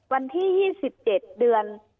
วันที่๒๗เดือน